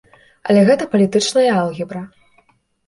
Але гэта палітычная алгебра.